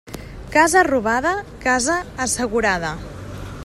Casa robada, casa assegurada.